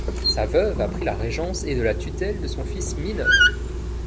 Sa veuve a pris la régence et de la tutelle de son fils mineur.